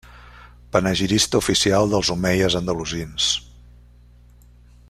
Panegirista oficial dels omeies andalusins.